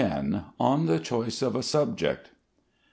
ON THE CHOICE OF A SUBJECT.